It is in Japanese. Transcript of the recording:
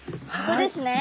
ここですね。